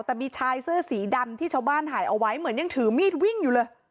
แต่มีชายเสื้อสีดำที่ชาวบ้านถ่ายเอาไว้เหมือนยังถือมีดวิ่งอยู่เลย